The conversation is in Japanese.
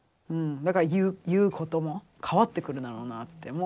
だから言うことも変わってくるだろうなって。